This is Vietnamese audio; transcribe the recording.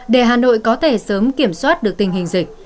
để hà nội có thể sớm kiểm soát được tình hình dịch